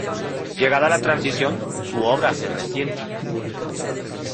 Llegada la Transición, su obra se resiente.